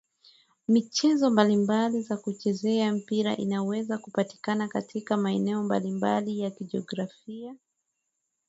Michezo mbalimbali ya kuchezea mpira inaweza kupatikana katika maeneo mbalimbali ya kijiografia